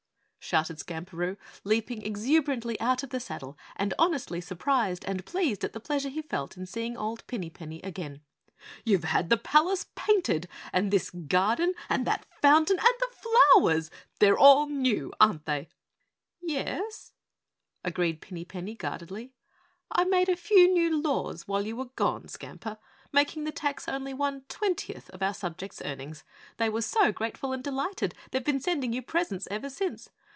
shouted Skamperoo, leaping exuberantly out of the saddle, and honestly surprised and pleased at the pleasure he felt in seeing old Pinny Penny again. "You've had the palace painted and this garden and that fountain and the flowers. They're all new, aren't they?" "Yes," agreed Pinny Penny guardedly. "I made a few new laws while you were gone, Skamper, making the tax only one twentieth of our subjects' earnings. They were so grateful and delighted, they've been sending you presents ever since.